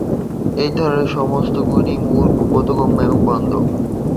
এই ধরনের সমস্ত গুণই মুখ্য, বোধগম্য এবং বন্ধ।